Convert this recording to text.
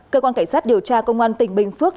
cơ quan cảnh sát điều tra công an tỉnh bình phước